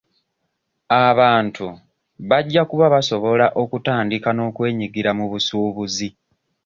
Abantu bajja kuba basobola okutandika n'okwenyigira mu busuubuzi.